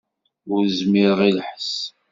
Ur zmireɣ i lḥess.